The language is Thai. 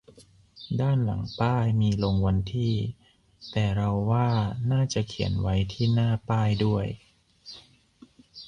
ด้านหลังป้ายมีลงวันที่ แต่เราว่าน่าจะเขียนไว้ที่หน้าป้ายด้วย